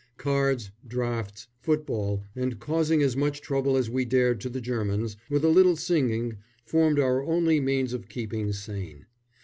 Cards, draughts, football, and causing as much trouble as we dared to the Germans, with a little singing, formed our only means of keeping sane.